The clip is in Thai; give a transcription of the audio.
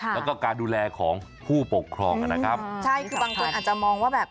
แล้วก็การดูแลของผู้ปกครองนะครับใช่คือบางคนอาจจะมองว่าแบบ